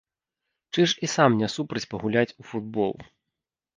Чыж і сам не супраць пагуляць у футбол.